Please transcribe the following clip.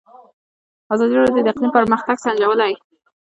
ازادي راډیو د اقلیم پرمختګ سنجولی.